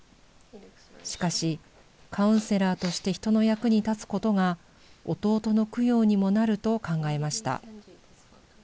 しかし、カウンセラーとして人の役に立つことが、弟の供養にもなると考えました。